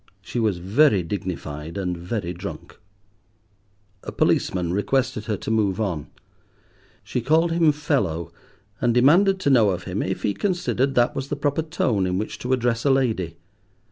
She was very dignified, and very drunk. A policeman requested her to move on. She called him "Fellow," and demanded to know of him if he considered that was the proper tone in which to address a lady.